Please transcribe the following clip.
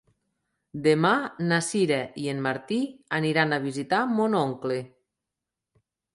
Demà na Sira i en Martí aniran a visitar mon oncle.